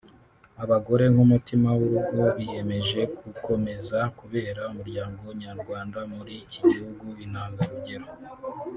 abagore nk’umutima w’urugo biyemeje gukomeza kubera umuryango nyarwanda muri iki gihugu intangarugero